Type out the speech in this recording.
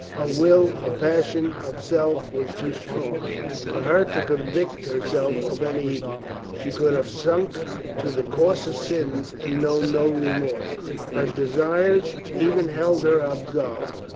Her will, her passion of self, was too strong for her to convict herself of any evil. She could have sunk to the coarsest sins and known no remorse. Her desires ever held her absolved.